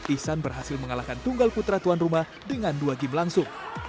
ihsan berhasil mengalahkan tunggal putra tuan rumah dengan dua game langsung